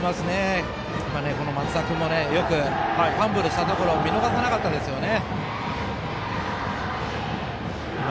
今、松田君もよくファンブルしたところを見逃さなかったですね。